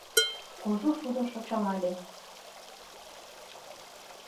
Кужу шудо шочалале;